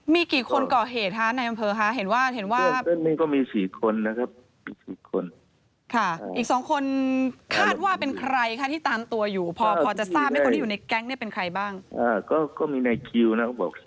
มีกี่คนเกาะเหตุในน